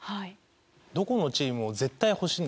どこのチームも絶対欲しいんですよ。